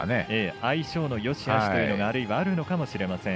相性のよしあしがあるのかもしれません。